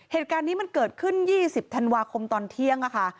เหตุการณ์นี้มันเกิดขึ้น๒๐ธันวาคมตอนเที่ยงค่ะ